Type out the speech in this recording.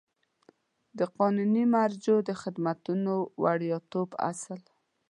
د قانوني مراجعو د خدمتونو د وړیاتوب اصل